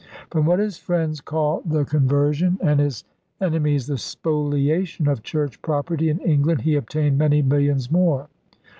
From what his friends call the conver sion, and his enemies the spoliation, of Church property in England he obtained many millions more.